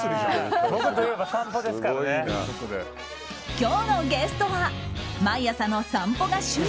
今日のゲストは毎朝の散歩が趣味。